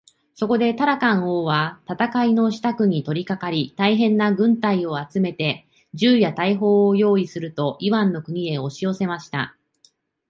そこでタラカン王は戦のしたくに取りかかり、大へんな軍隊を集めて、銃や大砲をよういすると、イワンの国へおしよせました。